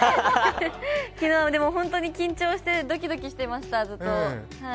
昨日、本当に緊張してドキドキしてました、ずっと。